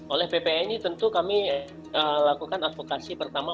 oleh ppni tentu kami lakukan advokasi pertama